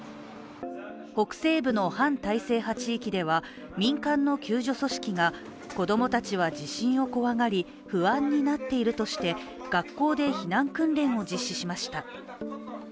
北西部の反体制派地域では民間の救助組織が子供たちは地震を怖がり不安になっているとして、学校で避難訓練を実施しました。